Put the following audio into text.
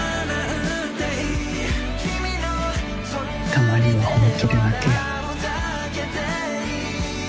たまには本気で泣けよ。